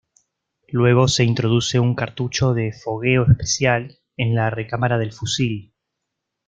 Luego se introduce un cartucho de fogueo especial en la recámara del fusil.